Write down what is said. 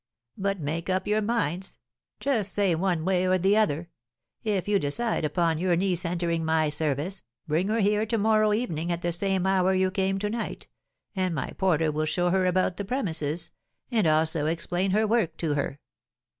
But make up your minds, just say one way or the other; if you decide upon your niece entering my service, bring her here to morrow evening at the same hour you came to night; and my porter will show her about the premises, and also explain her work to her.